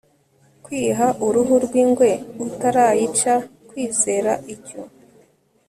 kwiha uruhu rw'ingwe utarayica kwizera icyo